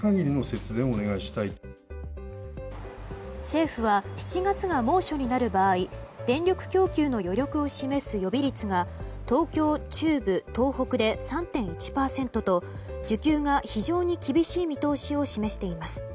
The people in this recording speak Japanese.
政府は７月が猛暑になる場合電力供給の余力を示す予備率が東京、中部、東北で３．１％と需給が非常に厳しい見通しを示しています。